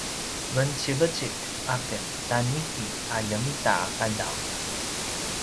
vencivecik a ken ta niki a ljemitaqadaw